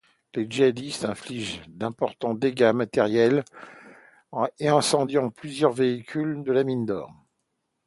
Les djihadistes infligent d'importants dégâts matériels et incendient plusieurs véhicules de la mine d'or.